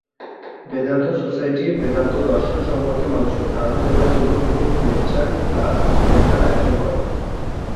Vedanta society Vedanta দর্শন সম্পর্কে মানুষকে ধারণা দেবার জন্য বিভিন্ন লেকচার, ক্লাস, সেমিনার আয়োজন করে।